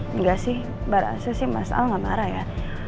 enggak sih barang asa sih mas al gak marah ya